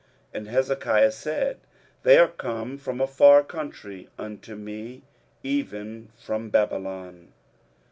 And Hezekiah said, They are come from a far country unto me, even from Babylon.